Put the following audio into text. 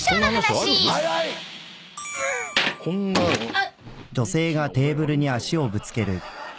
あっ！